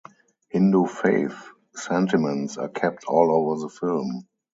Hindu faith sentiments are kept all over the film.